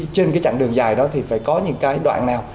trên cái chặng đường dài đó thì phải có những cái đoạn nào